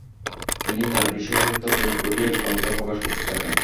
তিনি তার বিশেষত্ব প্রয়োগ ঘটিয়ে গ্রন্থ প্রকাশ করতে থাকেন।